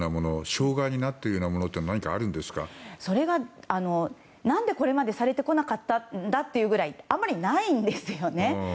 障害になっているようなものは何でこれまでされてこなかったんだというぐらいあまりないんですよね。